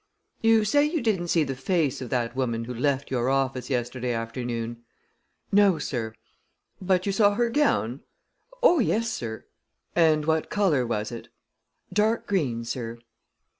"You say you didn't see the face of that woman who left your office yesterday afternoon?" "No, sir." "But you saw her gown?" "Oh, yes, sir." "And what color was it?" "Dark green, sir."